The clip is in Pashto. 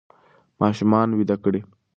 ماشومان ویده کړئ.